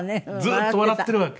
ずっと笑っているわけ。